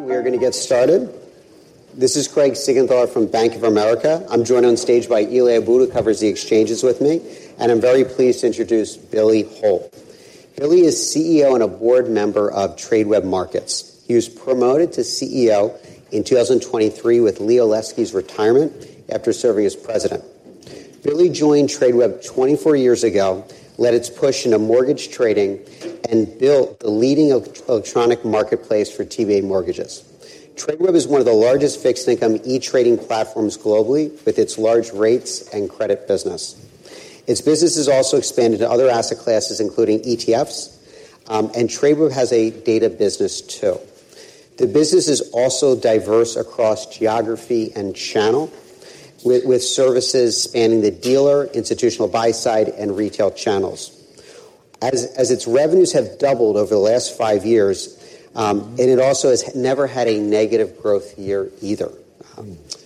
We are going to get started. This is Craig Siegenthaler from Bank of America. I'm joined on stage by Eli Abboud, who covers the exchanges with me, and I'm very pleased to introduce Billy Hult. Billy is CEO and a board member of Tradeweb Markets. He was promoted to CEO in 2023 with Lee Olesky's retirement after serving as president. Billy joined Tradeweb 24 years ago, led its push into mortgage trading, and built the leading electronic marketplace for TBA mortgages. Tradeweb is one of the largest fixed-income e-trading platforms globally, with its large rates and credit business. Its business has also expanded to other asset classes, including ETFs, and Tradeweb has a data business, too. The business is also diverse across geography and channel, with services spanning the dealer, institutional buy side, and retail channels. As its revenues have doubled over the last five years, and it also has never had a negative growth year either.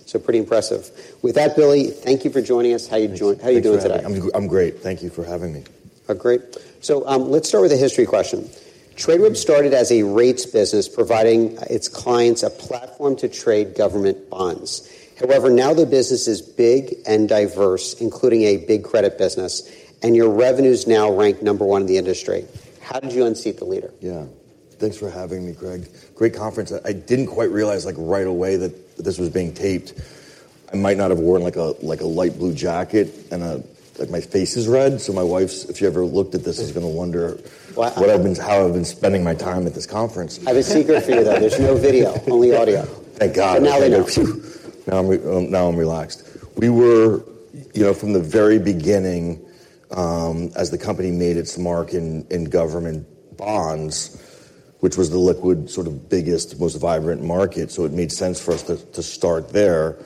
So pretty impressive. With that, Billy, thank you for joining us. How you doing- how are you doing today? I'm great. Thank you for having me. Oh, great. So, let's start with a history question. Tradeweb started as a rates business, providing its clients a platform to trade government bonds. However, now the business is big and diverse, including a big credit business, and your revenues now rank number one in the industry. How did you unseat the leader? Yeah. Thanks for having me, Craig. Great conference. I didn't quite realize, like, right away that this was being taped. I might not have worn, like, a, like, a light blue jacket and, like, my face is red, so my wife, if she ever looked at this, is gonna wonder- Well- how I've been spending my time at this conference. I have a secret for you, though. There's no video, only audio. Thank God. So now they know. Phew! Now I'm, now I'm relaxed. We were, you know, from the very beginning, as the company made its mark in government bonds, which was the liquid, sort of, biggest, most vibrant market, so it made sense for us to start there.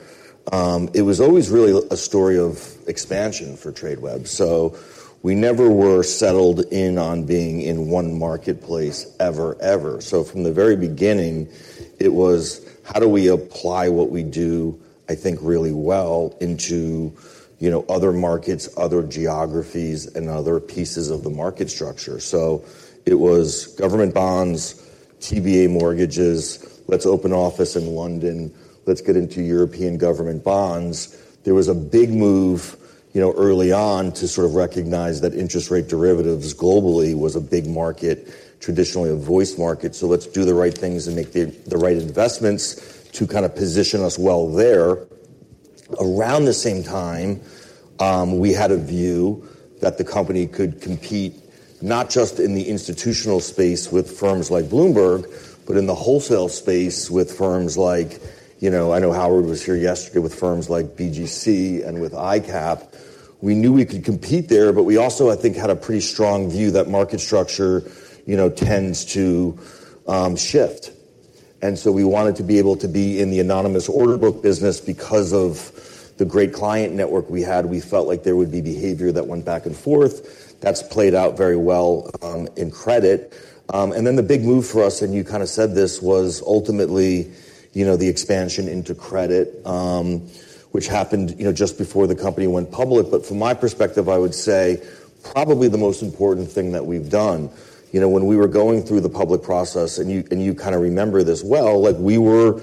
It was always really a story of expansion for Tradeweb. So we never were settled in on being in one marketplace ever, ever. So from the very beginning, it was: how do we apply what we do, I think, really well into, you know, other markets, other geographies, and other pieces of the market structure? So it was government bonds, TBA mortgages. Let's open an office in London. Let's get into European government bonds. There was a big move, you know, early on to sort of recognize that interest rate derivatives globally was a big market, traditionally a voice market. So let's do the right things and make the right investments to kind of position us well there. Around the same time, we had a view that the company could compete not just in the institutional space with firms like Bloomberg, but in the wholesale space with firms like... You know, I know Howard was here yesterday with firms like BGC and with ICAP. We knew we could compete there, but we also, I think, had a pretty strong view that market structure, you know, tends to shift, and so we wanted to be able to be in the anonymous order book business. Because of the great client network we had, we felt like there would be behavior that went back and forth. That's played out very well in credit. And then the big move for us, and you kind of said this, was ultimately, you know, the expansion into credit, which happened, you know, just before the company went public. But from my perspective, I would say probably the most important thing that we've done. You know, when we were going through the public process, and you, and you kind of remember this well, like we were--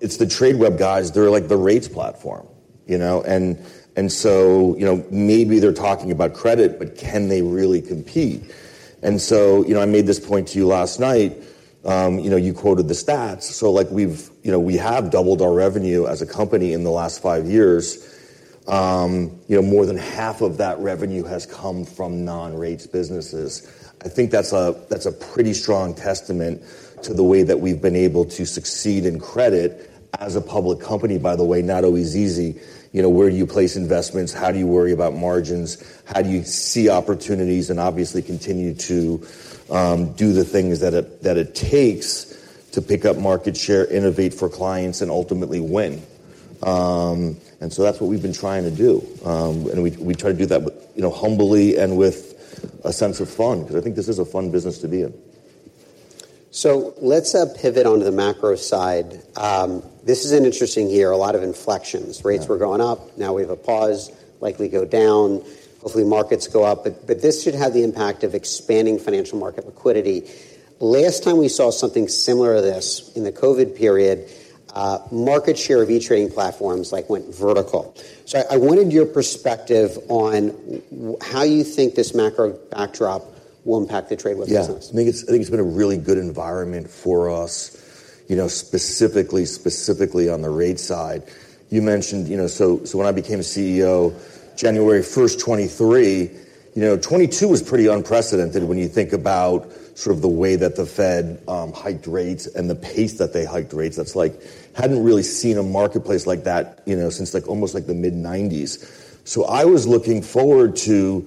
"It's the Tradeweb guys. They're, like, the rates platform, you know, and, and so, you know, maybe they're talking about credit, but can they really compete?" And so, you know, I made this point to you last night, you know, you quoted the stats. So, like, we've-- you know, we have doubled our revenue as a company in the last five years. You know, more than half of that revenue has come from non-rates businesses. I think that's a pretty strong testament to the way that we've been able to succeed in credit as a public company. By the way, not always easy. You know, where do you place investments? How do you worry about margins? How do you see opportunities and obviously continue to do the things that it takes to pick up market share, innovate for clients, and ultimately win? And so that's what we've been trying to do. And we try to do that, you know, humbly and with a sense of fun, because I think this is a fun business to be in. So let's pivot onto the macro side. This is an interesting year, a lot of inflections. Yeah. Rates were going up. Now we have a pause, likely go down. Hopefully, markets go up, but this should have the impact of expanding financial market liquidity. Last time we saw something similar to this in the COVID period, market share of e-trading platforms, like, went vertical. So I wanted your perspective on how you think this macro backdrop will impact the Tradeweb business. Yeah. I think it's, I think it's been a really good environment for us, you know, specifically, specifically on the rates side. You mentioned, you know... So, so when I became CEO, January 1, 2023, you know, 2022 was pretty unprecedented when you think about sort of the way that the Fed hiked rates and the pace that they hiked rates. That's like, hadn't really seen a marketplace like that, you know, since, like, almost like the mid-1990s. So I was looking forward to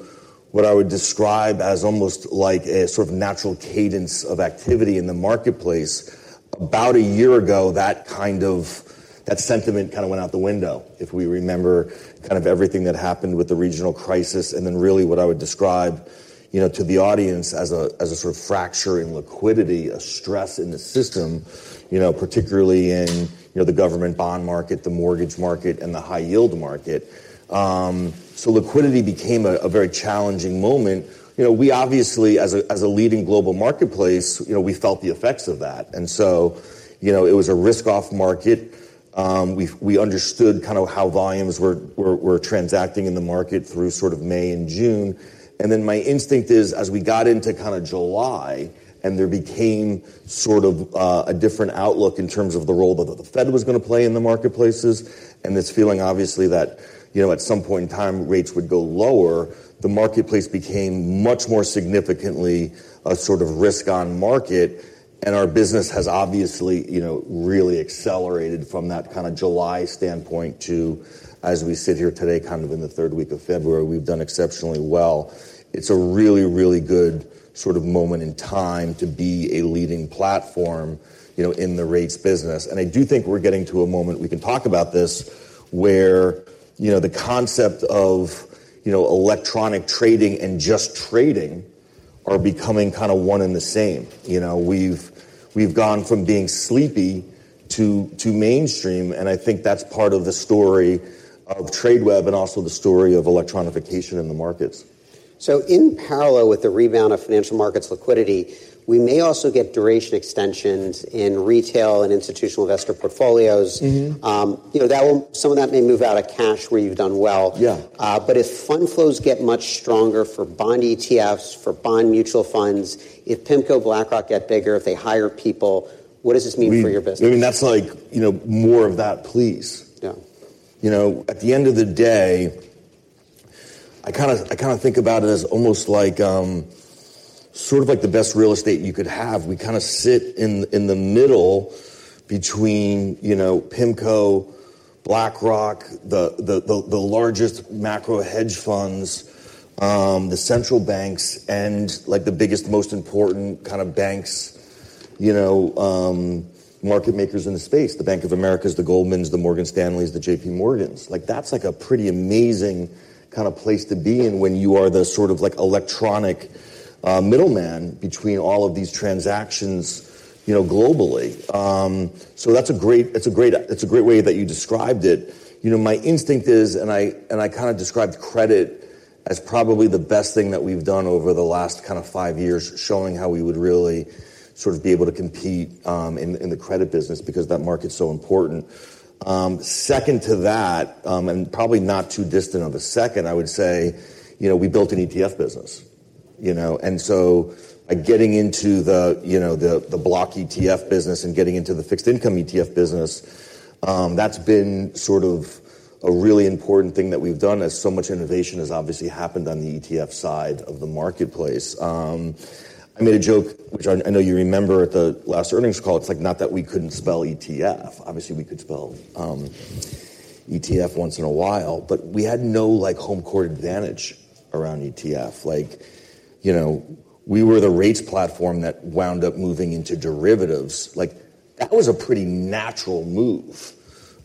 what I would describe as almost like a sort of natural cadence of activity in the marketplace. About a year ago, that kind of, that sentiment kind of went out the window. If we remember kind of everything that happened with the regional crisis, and then really what I would describe, you know, to the audience as a sort of fracturing liquidity, a stress in the system, you know, particularly in, you know, the government bond market, the mortgage market, and the high-yield market. So liquidity became a very challenging moment. You know, we obviously, as a leading global marketplace, you know, we felt the effects of that. And so, you know, it was a risk-off market. We understood kind of how volumes were transacting in the market through sort of May and June. And then my instinct is, as we got into kind of July, and there became sort of, a different outlook in terms of the role that the Fed was going to play in the marketplaces, and this feeling, obviously, that, you know, at some point in time, rates would go lower, the marketplace became much more significantly a sort of risk-on market, and our business has obviously, you know, really accelerated from that kind of July standpoint to, as we sit here today, kind of in the third week of February, we've done exceptionally well. It's a really, really good sort of moment in time to be a leading platform, you know, in the rates business. I do think we're getting to a moment, we can talk about this, where, you know, the concept of, you know, electronic trading and just trading are becoming kind of one and the same. You know, we've, we've gone from being sleepy to, to mainstream, and I think that's part of the story of Tradeweb and also the story of electronification in the markets. So in parallel with the rebound of financial markets liquidity, we may also get duration extensions in retail and institutional investor portfolios. You know, some of that may move out of cash where you've done well. Yeah. If fund flows get much stronger for bond ETFs, for bond mutual funds, if PIMCO, BlackRock get bigger, if they hire people, what does this mean for your business? I mean, that's like, you know, more of that, please. Yeah. You know, at the end of the day, I kind of, I kind of think about it as almost like, sort of like the best real estate you could have. We kind of sit in, in the middle between, you know, PIMCO, BlackRock, the largest macro hedge funds, the central banks, and, like, the biggest, most important kind of banks, you know, market makers in the space: the Bank of America, the Goldmans, the Morgan Stanleys, the J.PMorgans. Like, that's, like, a pretty amazing kind of place to be in when you are the sort of, like, electronic, middleman between all of these transactions, you know, globally. So that's a great-- It's a great... It's a great way that you described it. You know, my instinct is, and I kind of described credit as probably the best thing that we've done over the last kind of five years, showing how we would really sort of be able to compete in the credit business because that market's so important. Second to that, and probably not too distant of a second, I would say, you know, we built an ETF business, you know? And so getting into the block ETF business and getting into the fixed income ETF business, that's been sort of a really important thing that we've done, as so much innovation has obviously happened on the ETF side of the marketplace. I made a joke, which I know you remember at the last earnings call; it's like, not that we couldn't spell ETF. Obviously, we could spell ETF once in a while, but we had no, like, home court advantage around ETF. Like, you know, we were the rates platform that wound up moving into derivatives. Like, that was a pretty natural move.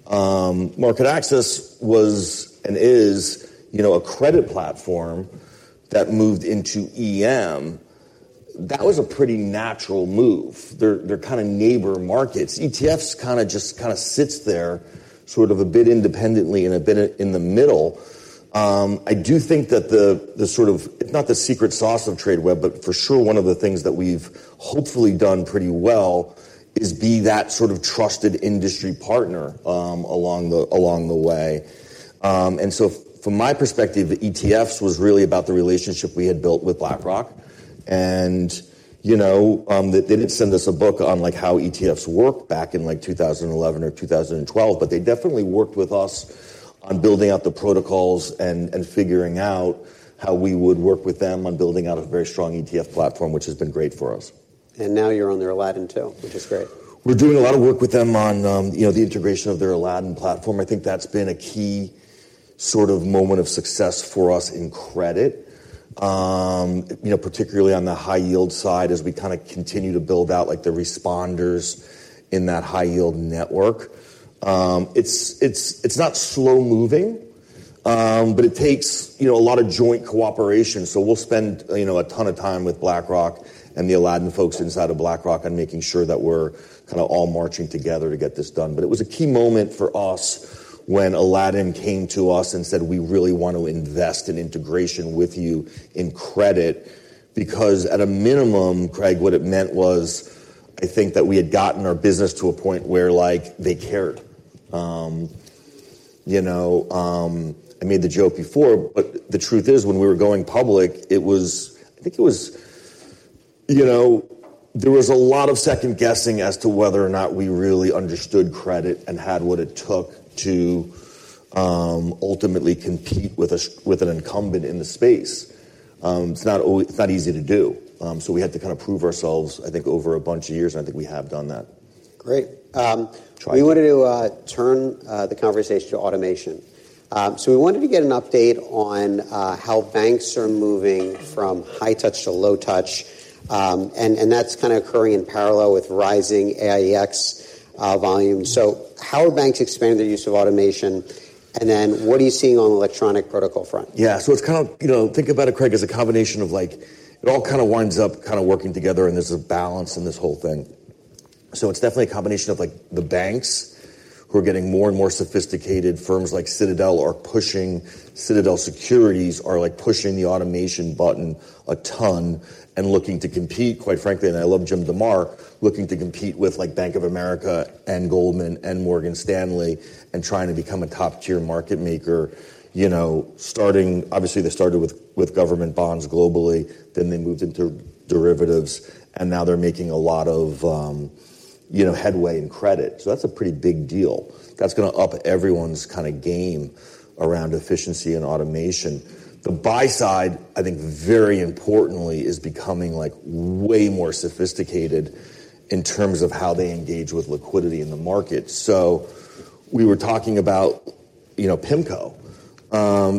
MarketAxess was, and is, you know, a credit platform that moved into EM. That was a pretty natural move. They're, they're kind of neighbor markets. ETFs kind of just kind of sits there sort of a bit independently and a bit in the middle. I do think that the sort of, if not the secret sauce of Tradeweb, but for sure, one of the things that we've hopefully done pretty well is be that sort of trusted industry partner, along the way. And so from my perspective, the ETFs was really about the relationship we had built with BlackRock. You know, they, they didn't send us a book on, like, how ETFs work back in, like, 2011 or 2012, but they definitely worked with us on building out the protocols and, and figuring out how we would work with them on building out a very strong ETF platform, which has been great for us. Now you're on their Aladdin, too, which is great. We're doing a lot of work with them on, you know, the integration of their Aladdin platform. I think that's been a key sort of moment of success for us in credit. You know, particularly on the high-yield side, as we kind of continue to build out, like, the responders in that high-yield network. It's not slow-moving, but it takes, you know, a lot of joint cooperation. So we'll spend, you know, a ton of time with BlackRock and the Aladdin folks inside of BlackRock on making sure that we're kind of all marching together to get this done. But it was a key moment for us when Aladdin came to us and said: "We really want to invest in integration with you in credit." Because at a minimum, Craig, what it meant was, I think that we had gotten our business to a point where, like, they cared. You know, I made the joke before, but the truth is, when we were going public, it was... I think it was, you know, there was a lot of second-guessing as to whether or not we really understood credit and had what it took to ultimately compete with an incumbent in the space. It's not easy to do. So we had to kind of prove ourselves, I think, over a bunch of years, and I think we have done that. Great. Um- Trying to. We wanted to turn the conversation to automation. So we wanted to get an update on how banks are moving from high touch to low touch. And that's kind of occurring in parallel with rising AIX volume. So how are banks expanding their use of automation, and then what are you seeing on the electronic protocol front? Yeah. So it's kind of, you know, think about it, Craig, as a combination of like, it all kind of winds up kind of working together, and there's a balance in this whole thing. So it's definitely a combination of, like, the banks who are getting more and more sophisticated. Firms like Citadel are pushing, Citadel Securities are, like, pushing the automation button a ton and looking to compete, quite frankly, and I love Jim DeMare, looking to compete with, like, Bank of America and Goldman and Morgan Stanley and trying to become a top-tier market maker. You know, starting, obviously, they started with government bonds globally, then they moved into derivatives, and now they're making a lot of, you know, headway in credit. So that's a pretty big deal. That's gonna up everyone's kind of game around efficiency and automation. The buy side, I think, very importantly, is becoming, like, way more sophisticated in terms of how they engage with liquidity in the market. So we were talking about, you know, PIMCO.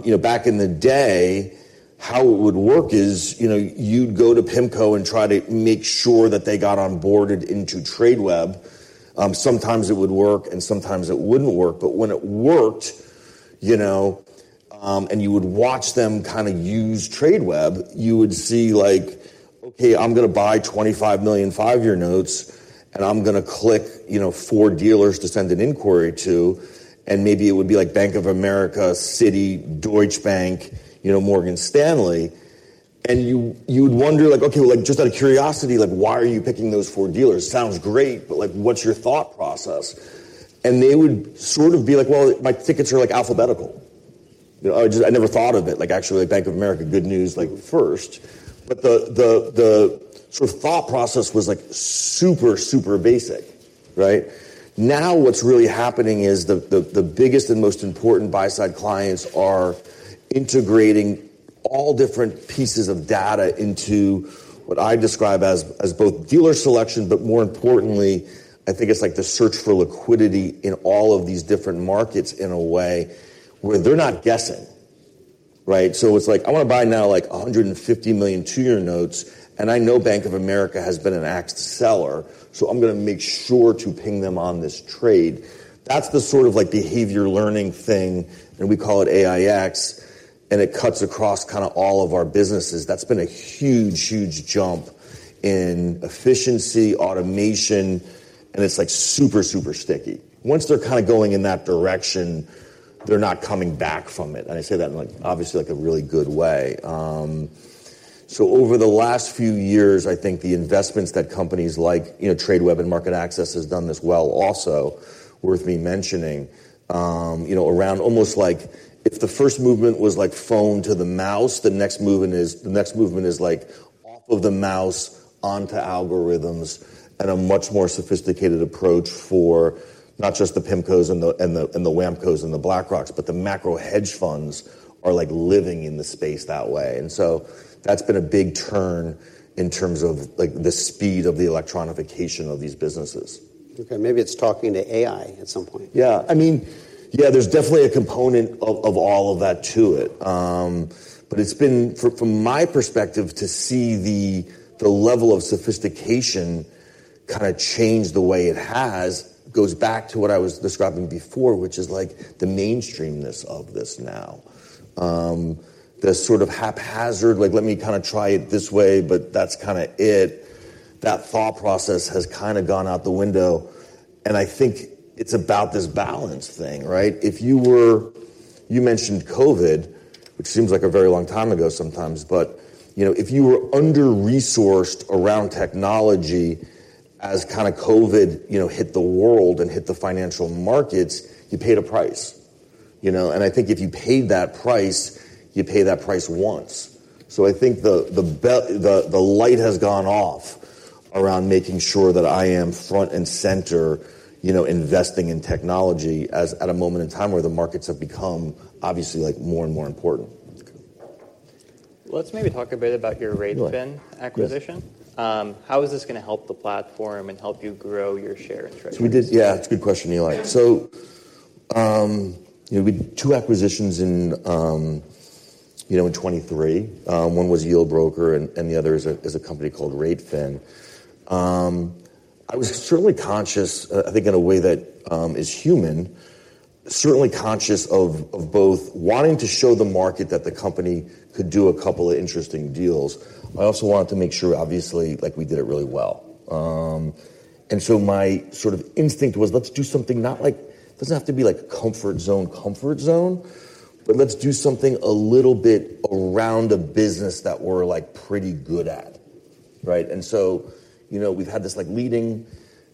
You know, back in the day, how it would work is, you know, you'd go to PIMCO and try to make sure that they got onboarded into Tradeweb. Sometimes it would work, and sometimes it wouldn't work. But when it worked, you know, and you would watch them kind of use Tradeweb, you would see, like, okay, I'm gonna buy $25 million five-year notes, and I'm gonna click, you know, four dealers to send an inquiry to, and maybe it would be like Bank of America, Citi, Deutsche Bank, you know, Morgan Stanley. And you, you would wonder, like, okay, like, just out of curiosity, like, why are you picking those four dealers? Sounds great, but, like, what's your thought process? And they would sort of be like: "Well, my tickets are, like, alphabetical. You know, or just, 'I never thought of it. Like, actually, like, Bank of America, good news, like, first.'" But the sort of thought process was, like, super, super basic, right? Now, what's really happening is the biggest and most important buy side clients are integrating all different pieces of data into what I describe as, as both dealer selection, but more importantly, I think it's like the search for liquidity in all of these different markets in a way where they're not guessing, right? So it's like, I want to buy now, like, $150 million two-year notes, and I know Bank of America has been an axe seller, so I'm going to make sure to ping them on this trade. That's the sort of, like, behavior learning thing, and we call it AIX, and it cuts across kind of all of our businesses. That's been a huge, huge jump in efficiency, automation, and it's, like, super, super sticky. Once they're kind of going in that direction, they're not coming back from it, and I say that in, like, obviously, like, a really good way. So over the last few years, I think the investments that companies like, you know, Tradeweb and MarketAxess has done this well, also worth me mentioning, you know, around almost like... If the first movement was like phone to the mouse, the next movement is like off of the mouse, onto algorithms and a much more sophisticated approach for not just the PIMCOs and the WAMCOs and the BlackRocks, but the macro hedge funds are, like, living in the space that way. And so that's been a big turn in terms of, like, the speed of the electronification of these businesses. Okay, maybe it's talking to AI at some point. Yeah, I mean, yeah, there's definitely a component of all of that to it. But it's been, from my perspective, to see the level of sophistication kind of change the way it has, goes back to what I was describing before, which is like the mainstream-ness of this now. The sort of haphazard, like, let me kind of try it this way, but that's kind of it. That thought process has kind of gone out the window, and I think it's about this balance thing, right? If you were under-resourced around technology as kind of COVID hit the world and hit the financial markets, you paid a price. You know, and I think if you paid that price, you pay that price once. So I think the light has gone off around making sure that I am front and center, you know, investing in technology at a moment in time where the markets have become obviously, like, more and more important. Okay. Let's maybe talk a bit about your r8fin Yeah. - acquisition. Yes. How is this going to help the platform and help you grow your share in treasuries? So we did. Yeah, it's a good question, Eli. So, you know, we did two acquisitions in, you know, in 2023. One was Yieldbroker, and the other is a company called r8fin. I was certainly conscious, I think in a way that is human, certainly conscious of both wanting to show the market that the company could do a couple of interesting deals. I also wanted to make sure, obviously, like, we did it really well. And so my sort of instinct was, let's do something not like it doesn't have to be like a comfort zone, comfort zone, but let's do something a little bit around a business that we're, like, pretty good at, right? And so, you know, we've had this, like, leading,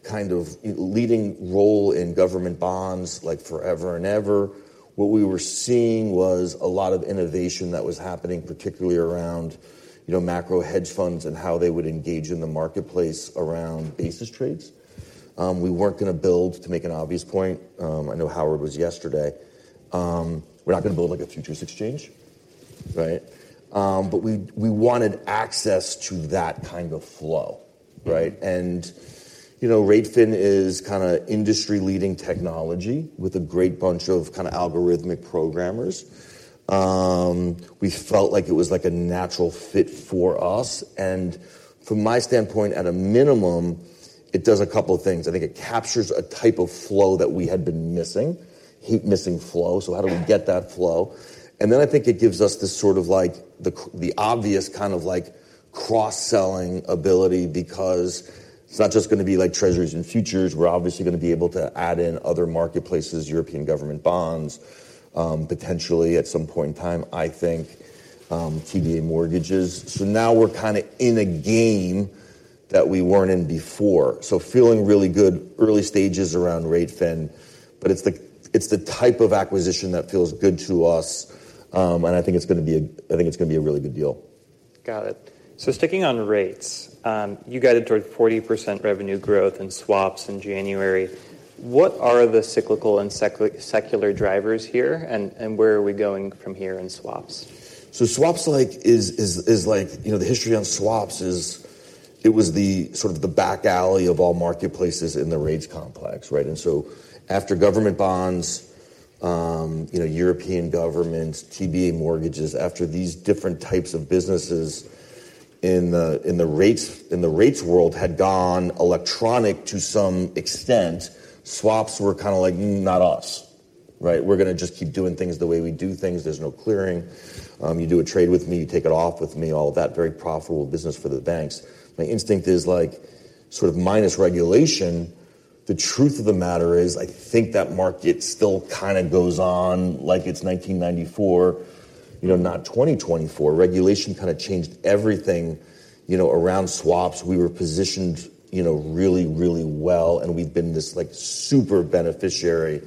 kind of leading role in government bonds, like, forever and ever. What we were seeing was a lot of innovation that was happening, particularly around, you know, macro hedge funds and how they would engage in the marketplace around basis trades. We weren't going to build, to make an obvious point, I know Howard was yesterday. We're not going to build, like, a futures exchange... right? But we wanted access to that kind of flow, right? And, you know, r8fin is kinda industry-leading technology with a great bunch of kinda algorithmic programmers. We felt like it was, like, a natural fit for us. And from my standpoint, at a minimum, it does a couple of things. I think it captures a type of flow that we had been missing. Hate missing flow, so how do we get that flow? And then I think it gives us this sort of like the obvious kind of like cross-selling ability, because it's not just gonna be like treasuries and futures. We're obviously gonna be able to add in other marketplaces, European government bonds, potentially at some point in time, I think, TBA mortgages. So now we're kinda in a game that we weren't in before. So feeling really good, early stages around r8fin, but it's the type of acquisition that feels good to us, and I think it's gonna be a really good deal. Got it. So sticking on rates, you guided toward 40% revenue growth in swaps in January. What are the cyclical and secular drivers here, and, and where are we going from here in swaps? So swaps, like, you know, the history on swaps is it was sort of the back alley of all marketplaces in the rates complex, right? And so after government bonds, you know, European governments, TBA mortgages, after these different types of businesses in the rates world had gone electronic to some extent, swaps were kind of like, "Mm, not us." Right? We're gonna just keep doing things the way we do things. There's no clearing. You do a trade with me, you take it off with me, all of that very profitable business for the banks. My instinct is like, sort of minus regulation, the truth of the matter is, I think that market still kind of goes on like it's 1994, you know, not 2024. Regulation kind of changed everything, you know, around swaps. We were positioned, you know, really, really well, and we've been this, like, super beneficiary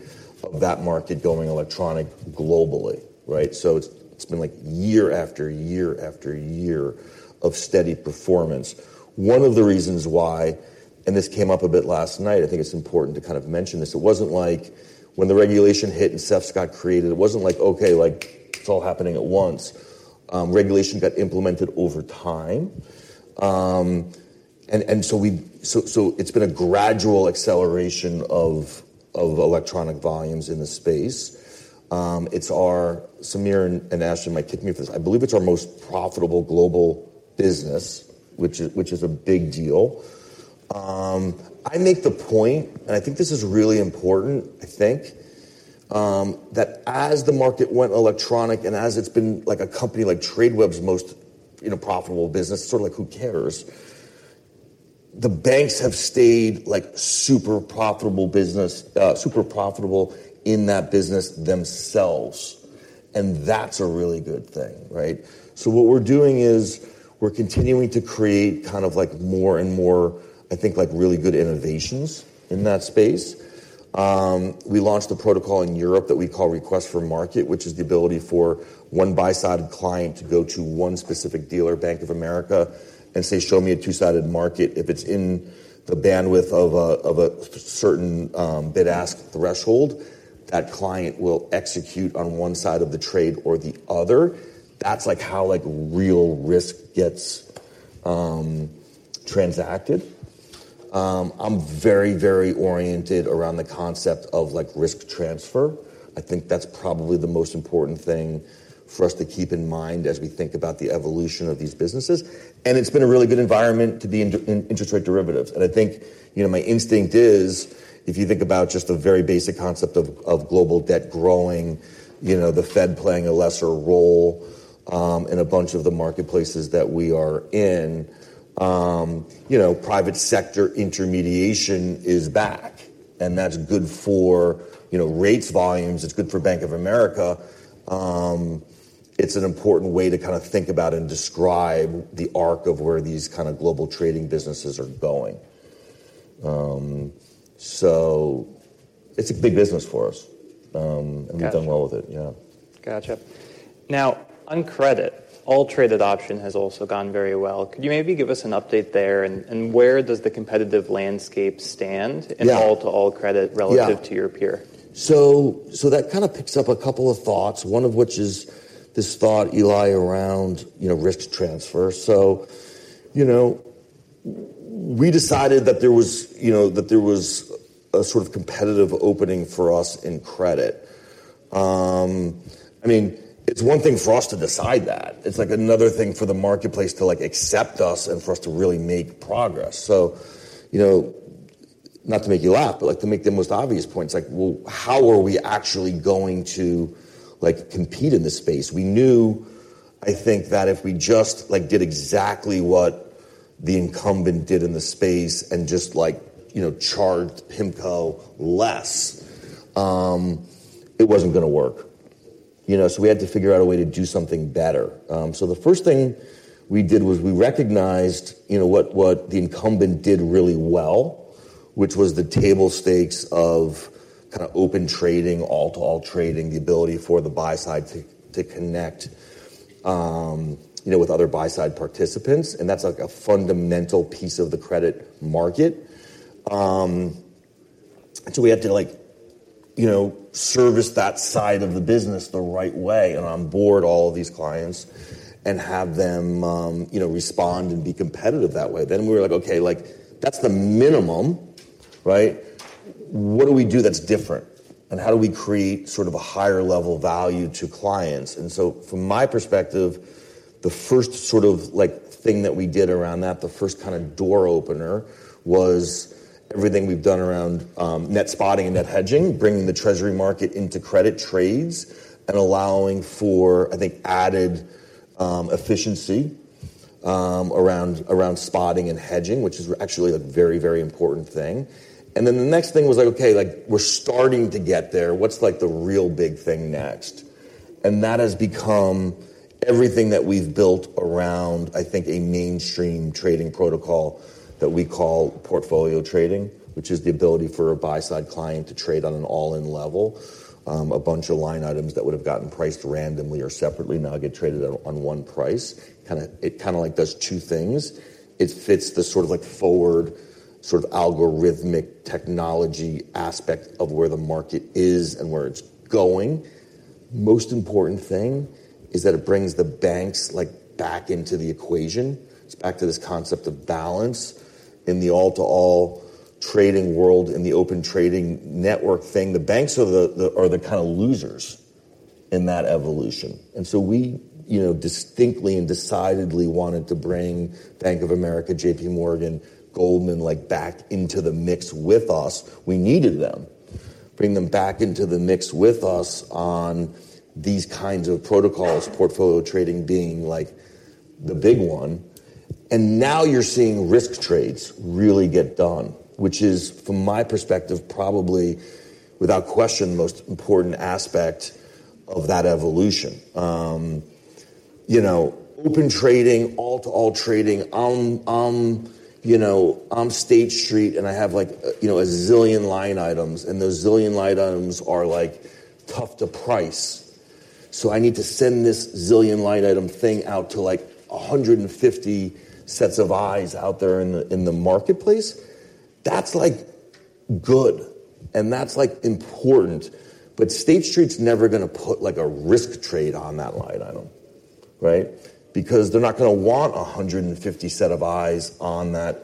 of that market going electronic globally, right? So it's, it's been like year after year after year of steady performance. One of the reasons why, and this came up a bit last night, I think it's important to kind of mention this, it wasn't like when the regulation hit and SEFs got created, it wasn't like, okay, like, it's all happening at once. Regulation got implemented over time. And so it's been a gradual acceleration of electronic volumes in the space. It's our... Sameer and Ashley might kick me if this. I believe it's our most profitable global business, which is a big deal. I make the point, and I think this is really important, I think, that as the market went electronic and as it's been like a company like Tradeweb's most, in a profitable business, sort of like, who cares? The banks have stayed like super profitable business, super profitable in that business themselves, and that's a really good thing, right? So what we're doing is we're continuing to create kind of like more and more, I think, like, really good innovations in that space. We launched a protocol in Europe that we call Request for Market, which is the ability for one buy-side client to go to one specific dealer, Bank of America, and say: "Show me a two-sided market." If it's in the bandwidth of a certain bid-ask threshold, that client will execute on one side of the trade or the other. That's like how, like, real risk gets transacted. I'm very, very oriented around the concept of, like, risk transfer. I think that's probably the most important thing for us to keep in mind as we think about the evolution of these businesses, and it's been a really good environment to be in, in interest rate derivatives. And I think, you know, my instinct is, if you think about just the very basic concept of, of global debt growing, you know, the Fed playing a lesser role in a bunch of the marketplaces that we are in, you know, private sector intermediation is back, and that's good for, you know, rates, volumes, it's good for Bank of America. It's an important way to kind of think about and describe the arc of where these kind of global trading businesses are going. So it's a big business for us. Gotcha. We've done well with it. Yeah. Gotcha. Now, on credit, All traded adoption has also gone very well. Could you maybe give us an update there, and where does the competitive landscape stand- Yeah... in all-to-all credit relative- Yeah -to your peer? So that kind of picks up a couple of thoughts, one of which is this thought, Eli, around, you know, risk transfer. So, you know, we decided that there was a sort of competitive opening for us in credit. I mean, it's one thing for us to decide that. It's, like, another thing for the marketplace to, like, accept us and for us to really make progress. So, you know, not to make you laugh, but, like, to make the most obvious points, like, well, how are we actually going to, like, compete in this space? We knew, I think, that if we just, like, did exactly what the incumbent did in the space and just like, you know, charged PIMCO less, it wasn't gonna work. You know, so we had to figure out a way to do something better. So the first thing we did was we recognized, you know, what, what the incumbent did really well, which was the table stakes of kind of open trading, all-to-all trading, the ability for the buy side to, to connect, you know, with other buy side participants, and that's, like, a fundamental piece of the credit market. So we had to like, you know, service that side of the business the right way, and onboard all of these clients and have them, you know, respond and be competitive that way. Then we were like, "Okay, like, that's the minimum," right? What do we do that's different, and how do we create sort of a higher level value to clients? And so from my perspective, the first sort of like thing that we did around that, the first kind of door opener, was everything we've done around net spotting and net hedging, bringing the treasury market into credit trades and allowing for, I think, added efficiency around spotting and hedging, which is actually a very, very important thing. And then the next thing was like, okay, like, we're starting to get there. What's, like, the real big thing next? And that has become everything that we've built around, I think, a mainstream trading protocol that we call portfolio trading, which is the ability for a buy-side client to trade on an all-in level. A bunch of line items that would have gotten priced randomly or separately now get traded on one price. It kinda like does two things. It fits the sort of like forward, sort of algorithmic technology aspect of where the market is and where it's going. Most important thing is that it brings the banks, like, back into the equation. It's back to this concept of balance. In the all-to-all trading world, in the open trading network thing, the banks are the kinda losers in that evolution. And so we, you know, distinctly and decidedly wanted to bring Bank of America, J.P. Morgan, Goldman, like, back into the mix with us. We needed them. Bring them back into the mix with us on these kinds of protocols, portfolio trading being, like, the big one. And now you're seeing risk trades really get done, which is, from my perspective, probably, without question, the most important aspect of that evolution. You know, open trading, all-to-all trading, you know, I'm State Street, and I have like, you know, a zillion line items, and those zillion line items are, like, tough to price. So I need to send this zillion line item thing out to, like, 150 sets of eyes out there in the marketplace. That's, like, good, and that's, like, important, but State Street's never gonna put, like, a risk trade on that line item, right? Because they're not gonna want 150 set of eyes on that,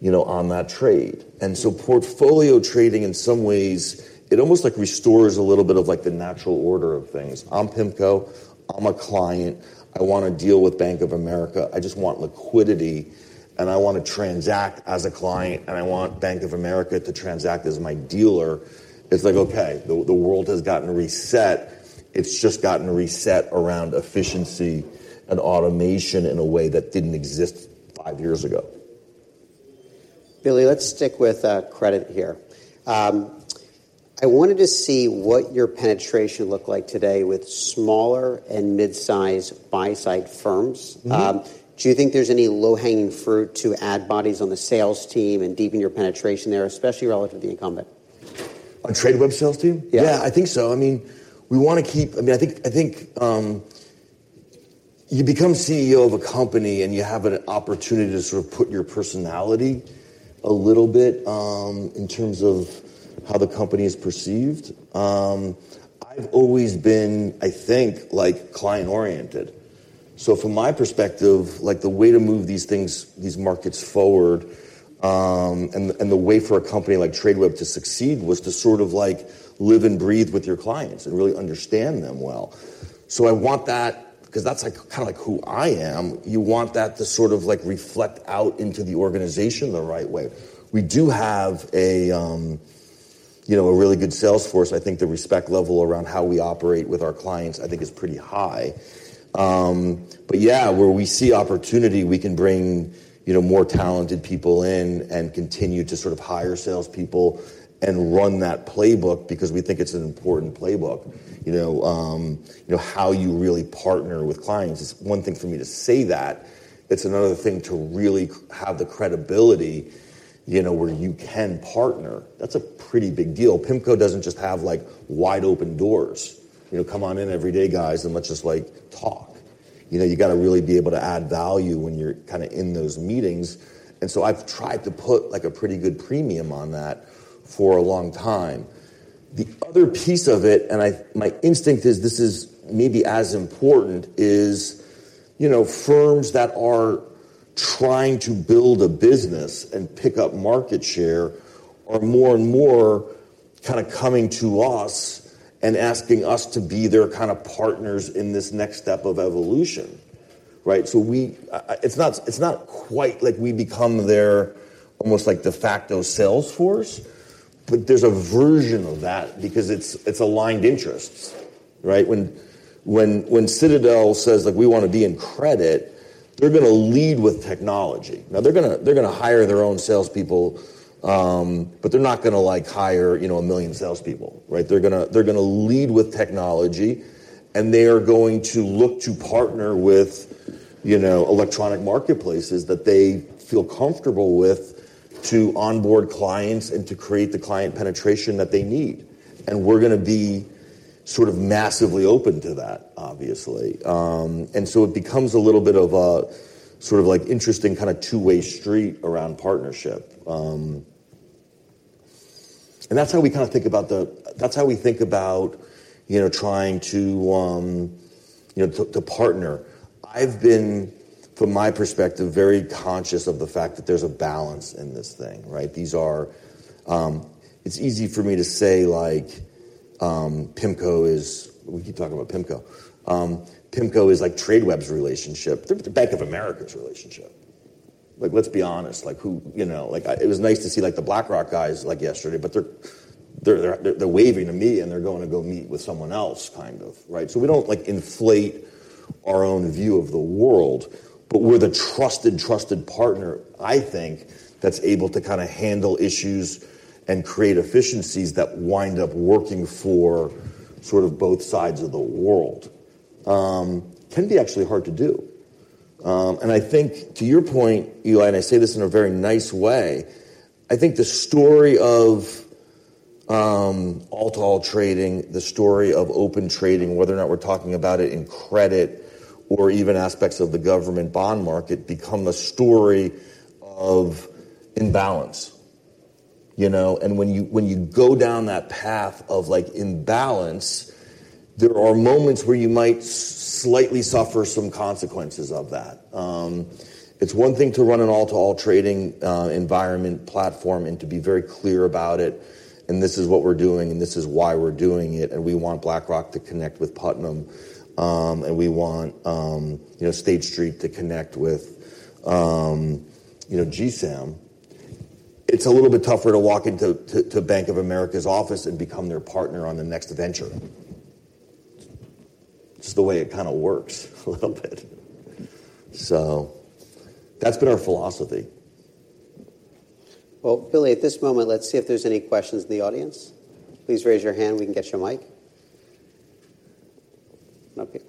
you know, on that trade. And so portfolio trading, in some ways, it almost, like, restores a little bit of, like, the natural order of things. I'm PIMCO. I'm a client. I wanna deal with Bank of America. I just want liquidity, and I wanna transact as a client, and I want Bank of America to transact as my dealer. It's like, okay, the world has gotten reset. It's just gotten reset around efficiency and automation in a way that didn't exist five years ago. Billy, let's stick with credit here. I wanted to see what your penetration looked like today with smaller and mid-size buy-side firms. Do you think there's any low-hanging fruit to add bodies on the sales team and deepen your penetration there, especially relative to the incumbent? On Tradeweb sales team? Yeah. Yeah, I think so. I mean, I think you become CEO of a company, and you have an opportunity to sort of put your personality a little bit in terms of how the company is perceived. I've always been, I think, like, client-oriented. So from my perspective, like, the way to move these things, these markets forward, and the way for a company like Tradeweb to succeed was to sort of, like, live and breathe with your clients and really understand them well. So I want that - 'cause that's, like, kinda like who I am. You want that to sort of, like, reflect out into the organization the right way. We do have a, you know, a really good sales force. I think the respect level around how we operate with our clients, I think, is pretty high. But yeah, where we see opportunity, we can bring, you know, more talented people in and continue to sort of hire salespeople and run that playbook because we think it's an important playbook. You know, you know, how you really partner with clients, it's one thing for me to say that, it's another thing to really have the credibility, you know, where you can partner. That's a pretty big deal. PIMCO doesn't just have, like, wide-open doors, you know, "Come on in every day, guys, and let's just, like, talk." You know, you gotta really be able to add value when you're kinda in those meetings, and so I've tried to put, like, a pretty good premium on that for a long time. The other piece of it, and I... My instinct is this is maybe as important, you know, firms that are trying to build a business and pick up market share are more and more kinda coming to us and asking us to be their kinda partners in this next step of evolution, right? So it's not, it's not quite like we become their almost, like, de facto sales force, but there's a version of that because it's aligned interests, right? When Citadel says, like, "We wanna be in credit," they're gonna lead with technology. Now, they're gonna hire their own salespeople, but they're not gonna, like, hire, you know, a million salespeople, right? They're gonna, they're gonna lead with technology, and they are going to look to partner with, you know, electronic marketplaces that they feel comfortable with to onboard clients and to create the client penetration that they need. And we're gonna be sort of massively open to that, obviously. And so it becomes a little bit of a sort of, like, interesting kind of two-way street around partnership. And that's how we kind of think about. That's how we think about, you know, trying to, you know, to, to partner. I've been, from my perspective, very conscious of the fact that there's a balance in this thing, right? These are. It's easy for me to say, like, PIMCO is. We keep talking about PIMCO. PIMCO is like Tradeweb's relationship. They're Bank of America's relationship. Like, let's be honest, like who, you know. Like, it was nice to see, like, the BlackRock guys, like, yesterday, but they're, they're, they're, they're waving to me, and they're going to go meet with someone else kind of, right? So we don't, like, inflate our own view of the world, but we're the trusted, trusted partner, I think, that's able to kind of handle issues and create efficiencies that wind up working for sort of both sides of the world. Can be actually hard to do. And I think to your point, Eli, and I say this in a very nice way, I think the story of all-to-all trading, the story of open trading, whether or not we're talking about it in credit or even aspects of the government bond market, become a story of imbalance. You know, and when you, when you go down that path of, like, imbalance, there are moments where you might slightly suffer some consequences of that. It's one thing to run an all-to-all trading environment platform and to be very clear about it, "And this is what we're doing, and this is why we're doing it, and we want BlackRock to connect with Putnam, and we want, you know, State Street to connect with, you know, GSAM." It's a little bit tougher to walk into Bank of America's office and become their partner on the next venture. It's the way it kind of works a little bit. So that's been our philosophy. Well, Billy, at this moment, let's see if there's any questions in the audience. Please raise your hand, we can get you a mic. Okay.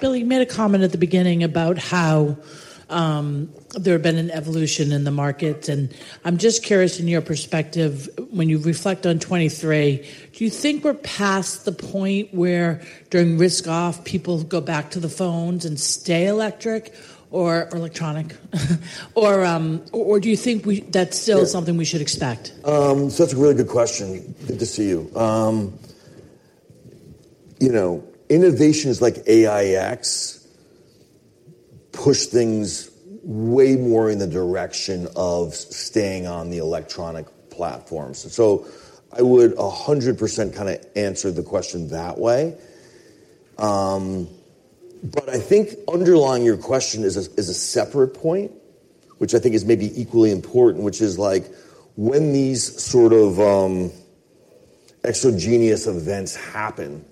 Billy, you made a comment at the beginning about how there had been an evolution in the market, and I'm just curious, in your perspective, when you reflect on 2023, do you think we're past the point where, during risk-off, people go back to the phones and stay electric or electronic? Or, or, or do you think we- that's still- Yeah... something we should expect? So that's a really good question. Good to see you. You know, innovations like AIX push things way more in the direction of staying on the electronic platforms. So I would 100% kinda answer the question that way. But I think underlying your question is a separate point, which I think is maybe equally important, which is like, when these sort of exogenous events happen,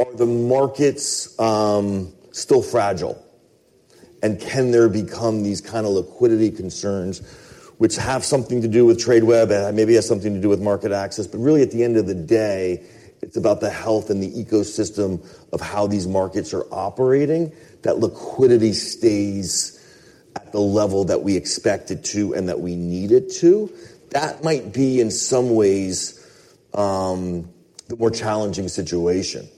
are the markets still fragile? And can there become these kind of liquidity concerns which have something to do with Tradeweb, and maybe has something to do with market access, but really, at the end of the day, it's about the health and the ecosystem of how these markets are operating, that liquidity stays at the level that we expect it to and that we need it to. That might be, in some ways, the more challenging situation.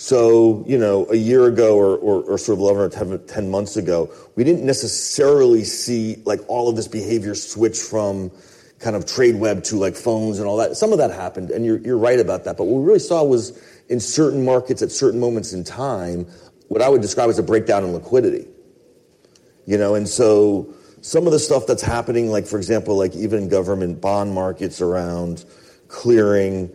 So, you know, a year ago or sort of over 10 months ago, we didn't necessarily see, like, all of this behavior switch from kind of Tradeweb to, like, phones and all that. Some of that happened, and you're right about that, but what we really saw was in certain markets, at certain moments in time, what I would describe as a breakdown in liquidity. You know, and so some of the stuff that's happening, like, for example, like even government bond markets around clearing,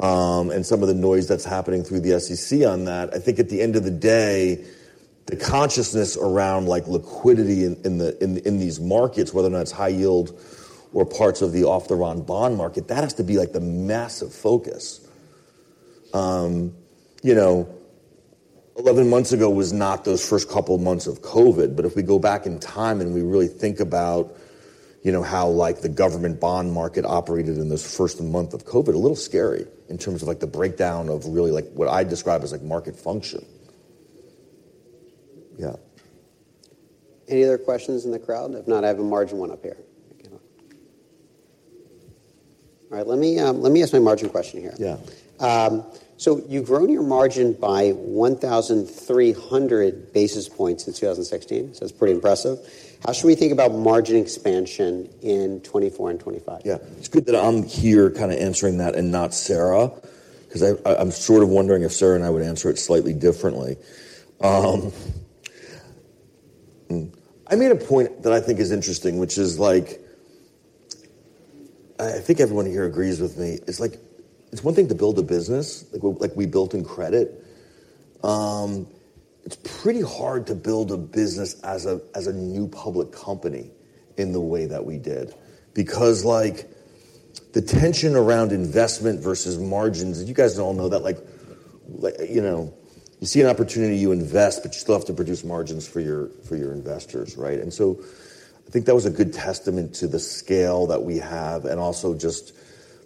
and some of the noise that's happening through the SEC on that, I think at the end of the day, the consciousness around, like, liquidity in these markets, whether or not it's high yield or parts of the off-the-run bond market, that has to be, like, the massive focus. You know, eleven months ago was not those first couple of months of COVID, but if we go back in time and we really think about, you know, how, like, the government bond market operated in this first month of COVID, a little scary in terms of, like, the breakdown of really, like, what I describe as, like, market function. Yeah. Any other questions in the crowd? If not, I have a margin one up here. All right, let me, let me ask my margin question here. Yeah. So, you've grown your margin by 1,300 basis points since 2016, so it's pretty impressive. How should we think about margin expansion in 2024 and 2025? Yeah. It's good that I'm here kind of answering that and not Sarah, 'cause I, I'm sort of wondering if Sara and I would answer it slightly differently. I made a point that I think is interesting, which is like... I think everyone here agrees with me: It's like, it's one thing to build a business, like we built in credit. It's pretty hard to build a business as a new public company in the way that we did because, like, the tension around investment versus margins, and you guys all know that, like, you know, you see an opportunity, you invest, but you still have to produce margins for your investors, right? I think that was a good testament to the scale that we have and also just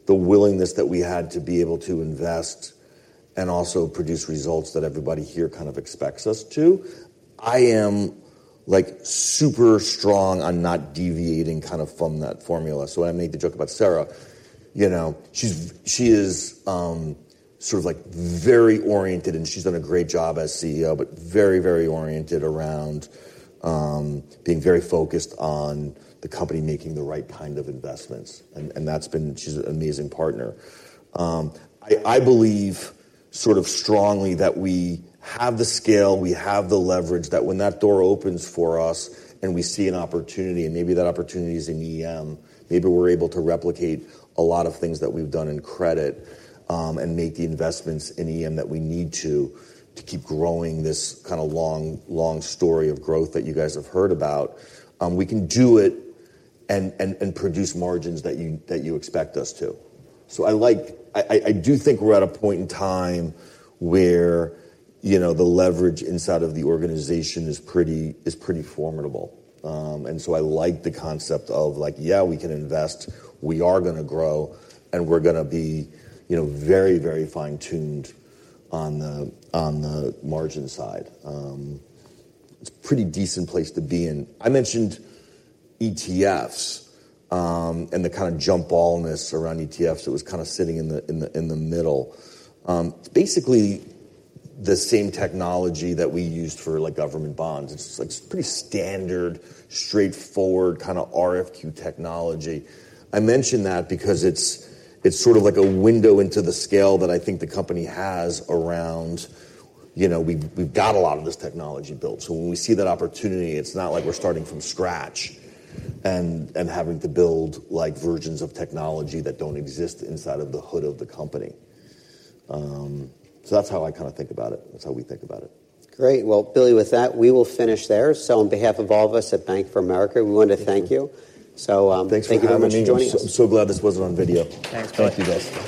the willingness that we had to be able to invest and also produce results that everybody here kind of expects us to. I am, like, super strong on not deviating kind of from that formula. So when I made the joke about Sarah, you know, she's sort of like very oriented, and she's done a great job as CEO, but very, very oriented around being very focused on the company making the right kind of investments. And that's been. She's an amazing partner. I believe sort of strongly that we have the scale, we have the leverage, that when that door opens for us and we see an opportunity, and maybe that opportunity is in EM, maybe we're able to replicate a lot of things that we've done in credit, and make the investments in EM that we need to, to keep growing this kinda long, long story of growth that you guys have heard about. We can do it and produce margins that you expect us to. So I like. I do think we're at a point in time where, you know, the leverage inside of the organization is pretty formidable. And so I like the concept of, like, yeah, we can invest, we are gonna grow, and we're gonna be, you know, very, very fine-tuned on the, on the margin side. It's a pretty decent place to be in. I mentioned ETFs, and the kind of jumpiness around ETFs that was kinda sitting in the middle. It's basically the same technology that we used for, like, government bonds. It's just, like, pretty standard, straightforward, kinda RFQ technology. I mention that because it's sort of like a window into the scale that I think the company has around... You know, we've got a lot of this technology built, so when we see that opportunity, it's not like we're starting from scratch and having to build, like, versions of technology that don't exist inside of the hood of the company. So that's how I kinda think about it. That's how we think about it. Great. Well, Billy, with that, we will finish there. So on behalf of all of us at Bank of America, we want to thank you. So, Thanks for having me. Thank you for joining us. I'm so glad this wasn't on video. Thanks. Thank you, guys.